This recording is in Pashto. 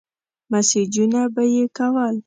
مسېجونه به يې کول.